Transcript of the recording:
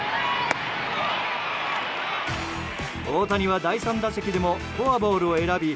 大谷は第３打席でもフォアボールを選び